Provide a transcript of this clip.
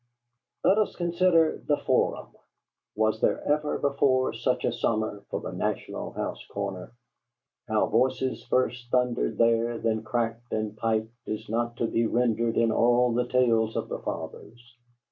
Let us consider the Forum. Was there ever before such a summer for the "National House" corner? How voices first thundered there, then cracked and piped, is not to be rendered in all the tales of the fathers.